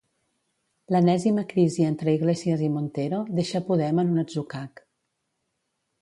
L'enèsima crisi entre Iglesias i Montero deixa Podem en un atzucac.